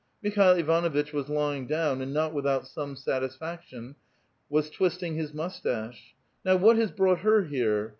Mikhail Ivanuitch was lying down, and not without some satisfaction, was twisting his mustache :'* Now, what has brought her here?